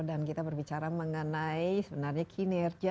dan kita berbicara mengenai sebenarnya kinerja